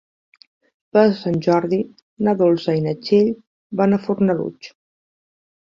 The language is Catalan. Per Sant Jordi na Dolça i na Txell van a Fornalutx.